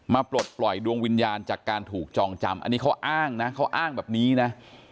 ปลดปล่อยดวงวิญญาณจากการถูกจองจำอันนี้เขาอ้างนะเขาอ้างแบบนี้นะ